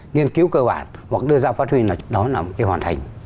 nghiên cứu cơ bản hoặc đưa ra phát huy là đó là một cái hoàn thành